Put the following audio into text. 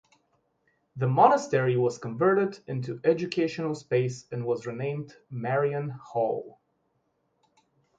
The monastery was converted into educational space and was renamed Marian Hall.